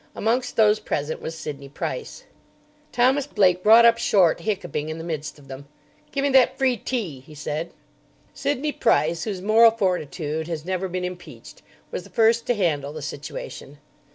Amongst those present was Sidney Price. Thomas Blake brought up short, hiccuping, in the midst of them. "Gimme that free tea!" he said. Sidney Price, whose moral fortitude has never been impeached, was the first to handle the situation.